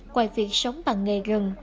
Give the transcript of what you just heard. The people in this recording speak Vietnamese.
quay việc sống bằng nghề gần